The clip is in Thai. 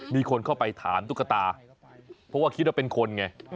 มีคนเข้าไปถามตุ๊กตาเพราะว่าคิดว่าเป็นคนไง